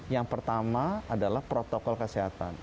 yang pertama adalah protokol kesehatan